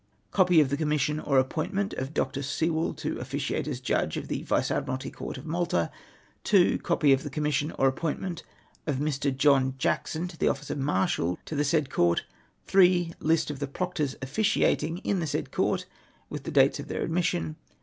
Copy of the Commission or Appointment of Dr. Sewell to officiate as Judge of the Vice Admiralty Court of Malta. 2. Copy of the Commission or Appointment of Mr. John Jackson to the office of Marshal to the said Court. 3. List of the Proctors officiating in the said Court, with the dates of their admission.